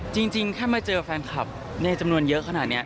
จริงแค่มาเจอแฟนคลับในจำนวนเยอะขนาดนี้